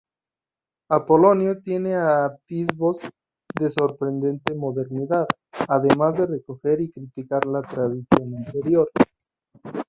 Apolonio tiene atisbos de sorprendente modernidad, además de recoger y criticar la tradición anterior.